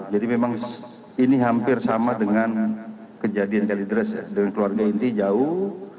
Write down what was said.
jadi memang ini hampir sama dengan kejadian kalidres dengan keluarga inti jauh